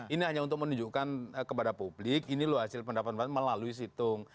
ini hanya untuk menunjukkan kepada publik ini loh hasil pendapatan melalui situng